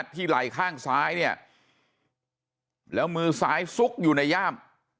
ที่ไหล่ข้างซ้ายแล้วมือสายซุกอยู่ในย่าม